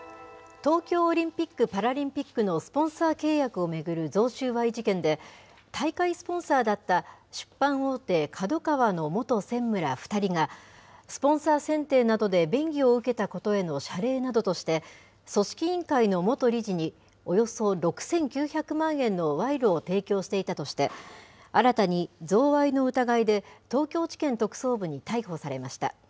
東京オリンピック・パラリンピックのスポンサー契約を巡る贈収賄事件で、大会スポンサーだった出版大手、ＫＡＤＯＫＡＷＡの元専務ら２人が、スポンサー選定などで便宜を受けたことへの謝礼などとして、組織委員会の元理事におよそ６９００万円の賄賂を提供していたとして、新たに贈賄の疑いで、東京地検特捜部に逮捕されました。